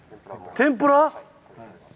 天ぷら？